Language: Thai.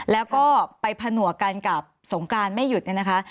แล้วก็ไปผนวกันกับสงการไม่หยุดนะคะ